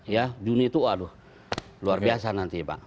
ya juni tuh aduh luar biasa nanti pak